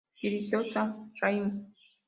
Dirigió Sam Raimi.